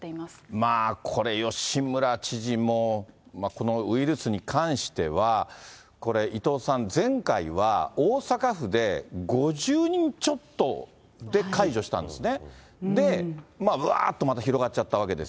まあ、これ、吉村知事もこのウイルスに関しては、これ、伊藤さん、前回は大阪府で５０人ちょっとで解除したんですね。